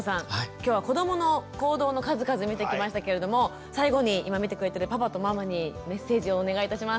今日は子どもの行動の数々見てきましたけれども最後に今見てくれているパパとママにメッセージをお願いいたします。